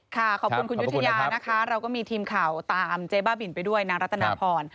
ขอบคุณคุณยุธยานะคะเราก็มีทีมข่าวตามเจ๊บ้าบินไปด้วยนางรัตนาพร